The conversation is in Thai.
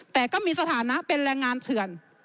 แต่ก็มีสถานะเป็นแรงงานเถื่อน